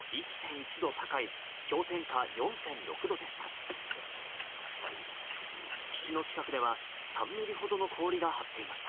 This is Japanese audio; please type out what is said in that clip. １度高い氷点下４．６度でした。